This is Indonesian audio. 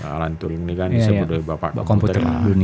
alan turing ini kan disebut oleh bapak komputer